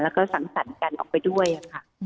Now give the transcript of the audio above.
แล้วก็สังสรรค์กันออกไปด้วยค่ะ